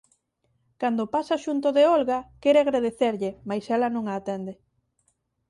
Cando pasa xunto de Olga quere agradecerlle, mais ela non a atende.